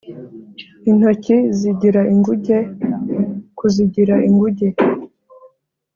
intoki zigira inguge (kuzigira inguge)